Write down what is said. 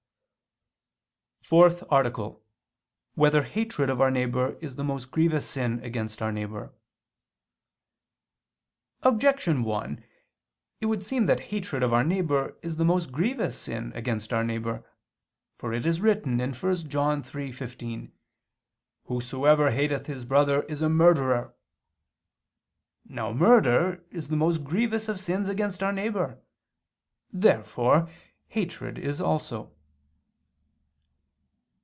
_______________________ FOURTH ARTICLE [II II, Q. 34, Art. 4] Whether Hatred of Our Neighbor Is the Most Grievous Sin Against Our Neighbor? Objection 1: It would seem that hatred of our neighbor is the most grievous sin against our neighbor. For it is written (1 John 3:15): "Whosoever hateth his brother is a murderer." Now murder is the most grievous of sins against our neighbor. Therefore hatred is also.